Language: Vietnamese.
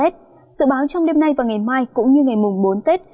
dự báo trong đêm nay và ngày mai cũng như ngày mùng bốn tết